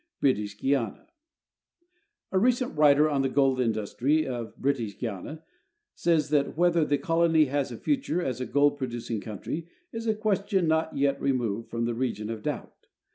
British Guiana. A recent writer on the gold industry of .British Guiana says that whether the colony has a future as a gold producing country is a question not yet removed from the region of doubt.